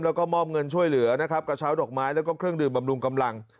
แล้วก็มอบเงินช่วยเหลือนะครับกระเช้าดอกไม้แล้วก็เครื่องดื่มบำรุงกำลัง